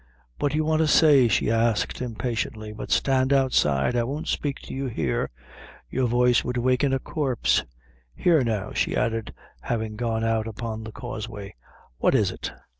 "What do you want to say?" she asked, impatiently; "but stand outside, I won't speak to you here your voice would waken a corpse. Here, now," she added, having gone out upon the causeway, "what is it?"